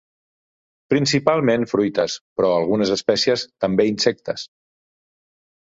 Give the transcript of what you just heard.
Principalment fruites, però algunes espècies també insectes.